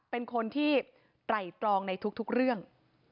เป็นคนที่ไตรตรองในทุกเรื่อง